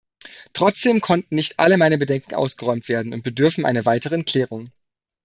Trotzdem konnten nicht alle meine Bedenken ausgeräumt werden und bedürfen einer weiteren Klärung.